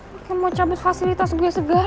mungkin mau cabut fasilitas gue sebelah